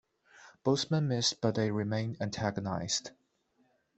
Both men missed but they remained antagonised.